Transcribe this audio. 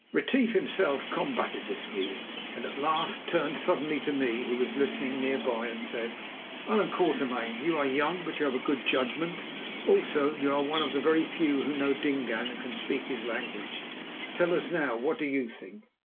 Retief himself combated this view, and at last turned suddenly to me, who was listening near by, and said: "Allan Quatermain, you are young, but you have a good judgment; also, you are one of the very few who know Dingaan and can speak his language. Tell us now, what do you think?"